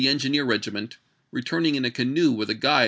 10 297 gineer regiment, returning in a canoe with a guide ch.